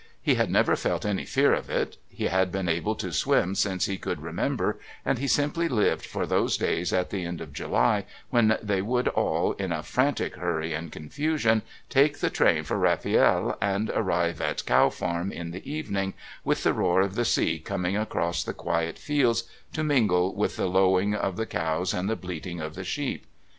He had never felt any fear of it; he had been able to swim since he could remember, and he simply lived for those days at the end of July when they would all, in a frantic hurry and confusion, take the train for Rafiel and arrive at Cow Farm in the evening, with the roar of the sea coming across the quiet fields to mingle with the lowing of the cows and the bleating of the sheep.